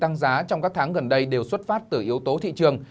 tăng giá trong các tháng gần đây đều xuất phát từ yếu tố thị trường